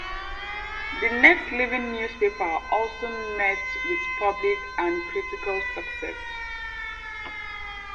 The next Living Newspaper also met with public and critical success.